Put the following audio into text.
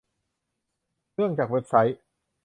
เรื่องจากเว็บไซต์